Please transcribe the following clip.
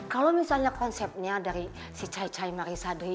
kalau misalnya konsepnya dari si cai cai marissa deh